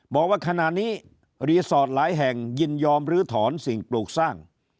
บอกว่าขณะนี้รีสอร์ทหลายแห่งยินยอมลื้อถอนสิ่งปลูกสร้าง